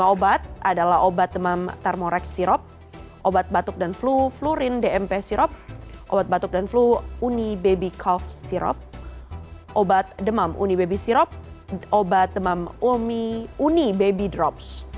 obat adalah obat demam thermorex sirop obat batuk dan flu flurin dmp sirop obat batuk dan flu uni baby coff sirop obat demam uni baby sirop obat demam umi uni baby drops